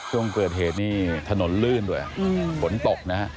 ช่วงเกิดเหตุนี่ถนนลื่นด้วยฝนตกนะฮะ